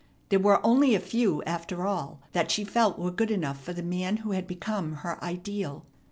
There were only a few, after all, that she felt were good enough for the man who had become her ideal.